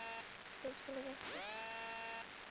তুই চলে যাচ্ছিস?